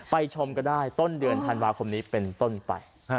ชมก็ได้ต้นเดือนธันวาคมนี้เป็นต้นไป